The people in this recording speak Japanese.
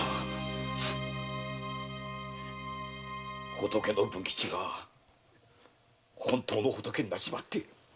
仏の文吉が本当の仏になっちまって！